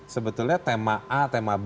sebetulnya tema a tema b